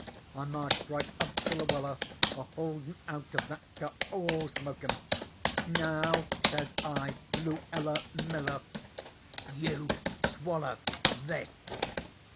I marched right up to Luella, a holdin' out of that cup, all smokin'. 'Now,' says I, 'Luella Miller, 'YOU SWALLER THIS!'